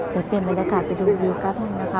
เดี๋ยวเตรียมบรรยากาศไปดูวิวก็ได้นะคะ